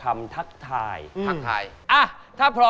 ไม่กินเป็นร้อย